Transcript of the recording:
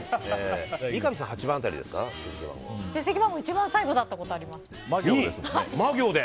一番最後だったことあります。